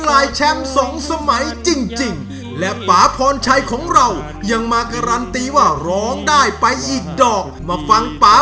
ไลน์แชม๒สมัยจริงแล้วป่าผ่อนชัยของเรายังมาการันตีวะร้องได้ไปอีกดอกมาฟังป่า